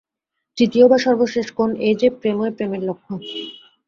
তৃতীয় বা সর্বশেষ কোণ এই যে, প্রেমই প্রেমের লক্ষ্য।